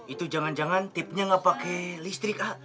itu jangan jangan tipnya gak pakai listrik a